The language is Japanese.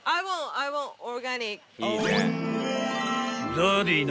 ［ダディの］